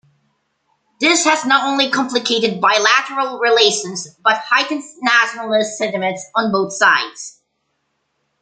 This has not only complicated bilateral relations but heightened nationalist sentiments on both sides.